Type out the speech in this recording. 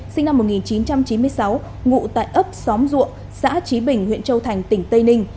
sinh năm một nghìn chín trăm chín mươi sáu ngụ tại ấp xóm ruộng xã trí bình huyện châu thành tỉnh tây ninh